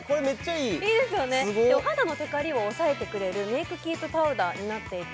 いいですよねお肌のテカりを抑えてくれるメイクキープパウダーになっていて